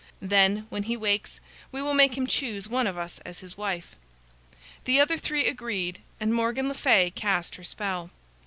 Then, when he wakes, we will make him choose one of us as his wife." The other three agreed, and Morgan le Fay cast her spell.